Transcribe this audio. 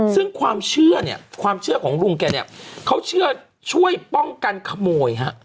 ซึ่งความเชื่อของลุงแกเขาเชื่อช่วยป้องกันขโมย